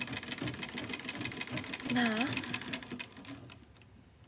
なあ。